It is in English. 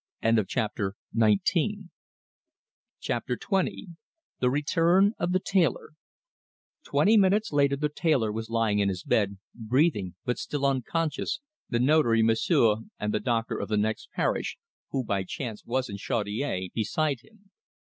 CHAPTER XX. THE RETURN OF THE TAILOR Twenty minutes later the tailor was lying in his bed, breathing, but still unconscious, the Notary, M'sieu', and the doctor of the next parish, who by chance was in Chaudiere, beside him.